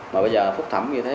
mà bây giờ phúc thẩm như thế